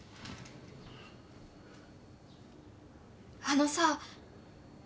あのさ。